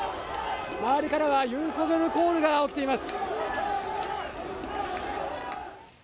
周りからはユン・ソギョルコールが起きています。